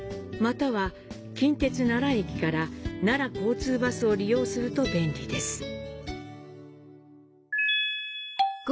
または近鉄奈良駅から奈良交通バスを利用すると便利です。